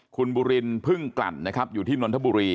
คุณบุริณพึ่งกรรดิ์อยู่ที่นรทบุรี